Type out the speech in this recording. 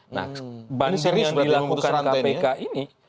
nah banding yang dilakukan kpk ini